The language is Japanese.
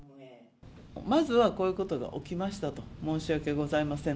まずはこういうことが起きましたと、申し訳ございません。